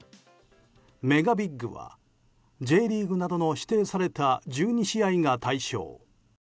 ＭＥＧＡＢＩＧはＪリーグなどの指定された１２試合が対象。